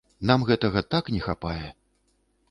Нам гэтага так не хапае!